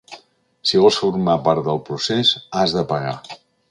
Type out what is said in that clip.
Si vols formar part del procés, has de pagar.